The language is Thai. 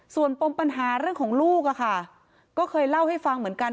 ส่วนปมปัญหาเรื่องของลูกอะค่ะก็เคยเล่าให้ฟังเหมือนกัน